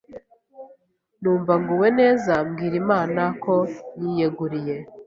Numva nguwe neza mbwira Imana ko nyiyeguriye